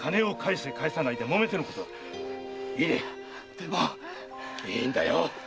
でも〕〔いいんだよ〕